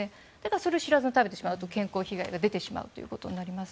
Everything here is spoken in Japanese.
それを知らずに食べてしまうと健康被害が出てしまうということになります。